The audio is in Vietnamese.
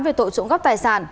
về tội trộm cắp tài sản